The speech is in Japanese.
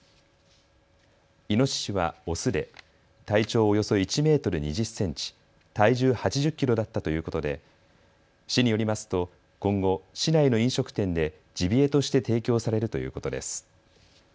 イノシシはオスで体長およそ１メートル２０センチ、体重８０キロだったということで市によりますと今後、市内の飲食店でジビエとして提供されるということです。